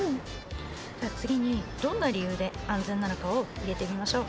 じゃあ次にどんな理由で安全なのかを入れてみましょう。